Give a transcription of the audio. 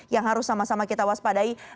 yang harus sama sama kita waspadai